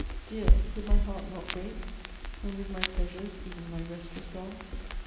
Dear, could my heart not break, When with my pleasures ev'n my rest was gone?